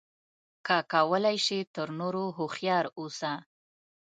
که کولای شې تر نورو هوښیار اوسه.